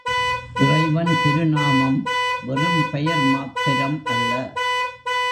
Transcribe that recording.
இறைவன் திருநாமம் வெறும் பெயர் மாத்திரம் அல்ல.